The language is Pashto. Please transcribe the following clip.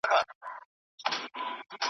چي په خټه مو اغږلي ناپوهي او جهالت وي .